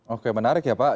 oke menarik ya pak